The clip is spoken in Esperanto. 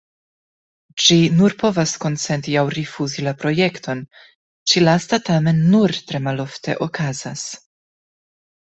Ĝi nur povas konsenti aŭ rifuzi la projekton; ĉi-lasta tamen nur tre malofte okazas.